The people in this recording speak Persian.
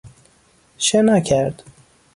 شنا کرد